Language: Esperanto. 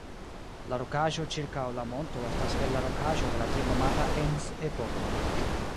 La rokaĵo ĉirkaŭ la monto estas el la rokaĵo de la tiel nomata "Ems-epoko".